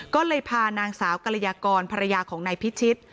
ก็เลยพานางสาวกรยากรภรรยาของนายพิชิต